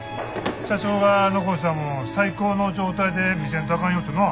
社長が残したもんを最高の状態で見せんとあかんよってな。